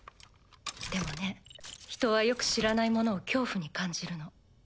でもね人はよく知らないものを恐怖に感じるの。